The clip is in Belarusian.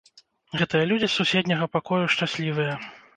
Гэтыя людзі з суседняга пакою шчаслівыя.